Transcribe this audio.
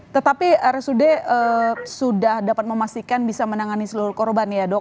tetapi rsud sudah dapat memastikan bisa menangani seluruh korban ya dok